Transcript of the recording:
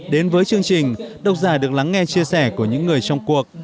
đến với chương trình độc giả được lắng nghe chia sẻ của những người trong cuộc